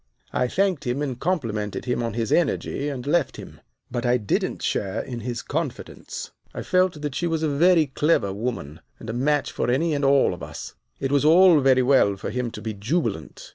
"I thanked him, and complimented him on his energy, and left him. But I didn't share in his confidence. I felt that she was a very clever woman, and a match for any and all of us. It was all very well for him to be jubilant.